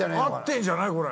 合ってんじゃない？